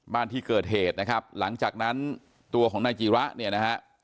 บ้านที่เกิดเหตุนะครับหลังจากนั้นตัวของนายจีระเนี่ยนะฮะ